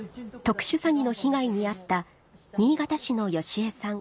特殊詐欺の被害に遭った新潟市のヨシエさん